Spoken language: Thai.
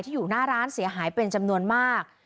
อยู่หน้าร้านเสียหายเป็นจำนวนมาก